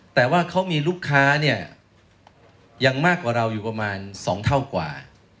แต่ว่าเขามีลูกค้าเนี่ยยังมากกว่าเราอยู่ประมาณ๒เท่ากว่า